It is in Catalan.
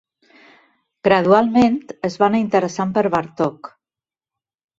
Gradualment, es va anar interessant per Bartók.